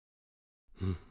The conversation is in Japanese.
うん。